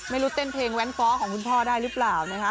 ไม่รู้เต้นเพลงแว้นฟ้อของคุณพ่อได้หรือเปล่า